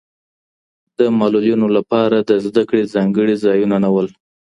د معلولینو لپاره د زده کړې ځانګړي ځایونه نه وو.